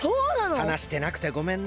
はなしてなくてごめんな。